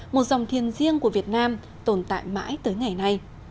một dòng thiền riêng của việt nam tồn tại mãi tới ngày nay